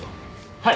はい。